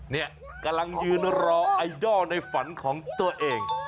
เนี่ยกำลังยืนรอไอดอลในฝันของตัวเอง